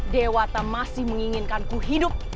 dewa tak masih menginginkanku hidup